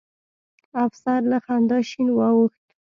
افسر له خندا شين واوښت.